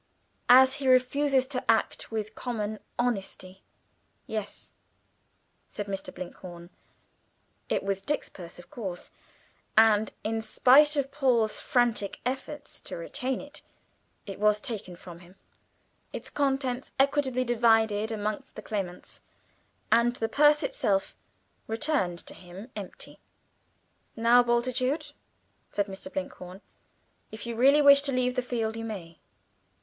"As he refuses to act with common honesty yes," said Mr. Blinkhorn. It was Dick's purse, of course; and in spite of Paul's frantic efforts to retain it, it was taken from him, its contents equitably divided amongst the claimants, and the purse itself returned to him empty. "Now, Bultitude," said Mr. Blinkhorn, "if you really wish to leave the field, you may."